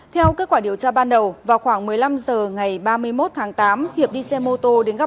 theo kết quả điều tra ban đầu vào khoảng một mươi năm h ngày ba mươi một tháng tám hiệp đi xe mô tô đến gặp